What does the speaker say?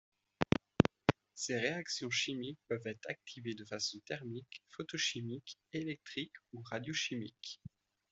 Ces réactions chimiques peuvent être activées de façon thermique, photochimique, électrique ou radiochimique.